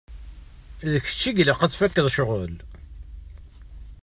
D kečč i ilaq ad tfakkeḍ ccɣel.